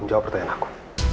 bagaimana pertanyaan aku